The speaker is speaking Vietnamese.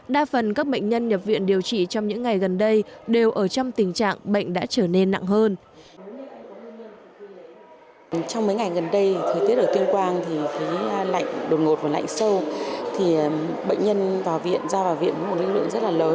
đa phần các bệnh nhân nhập viện điều trị trong những ngày gần đây đều ở trong tình trạng bệnh đã trở nên nặng hơn